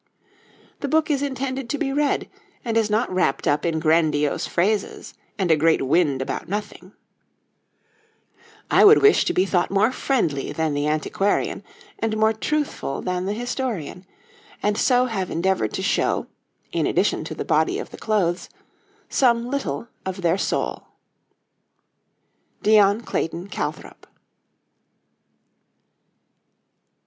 The book is intended to be read, and is not wrapped up in grandiose phrases and a great wind about nothing; I would wish to be thought more friendly than the antiquarian and more truthful than the historian, and so have endeavoured to show, in addition to the body of the clothes, some little of their soul. DION CLAYTON CALTHROP.